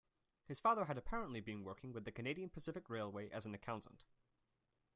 His father had apparently been working with the Canadian Pacific Railway as an accountant.